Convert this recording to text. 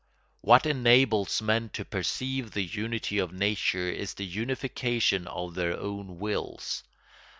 What enables men to perceive the unity of nature is the unification of their own wills.